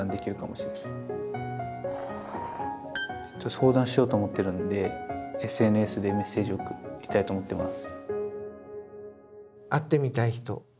相談しようと思ってるんでＳＮＳでメッセージを送りたいと思ってます。